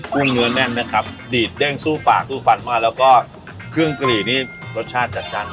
ุ้งเนื้อแน่นนะครับดีดเด้งสู้ปากสู้ฟันมากแล้วก็เครื่องกะหรี่นี่รสชาติจัดจ้าน